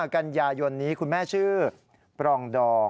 กันยายนนี้คุณแม่ชื่อปรองดอง